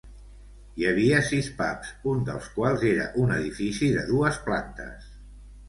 Hi havia sis pubs, un dels quals era un edifici de dues plantes.